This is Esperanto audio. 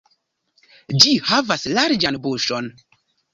Ĝi havas larĝan buŝon.